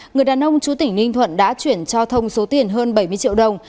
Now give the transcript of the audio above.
người đàn ông chú tỉnh ninh thuận đã chuyển cho thông số tiền hơn bảy mươi triệu đồng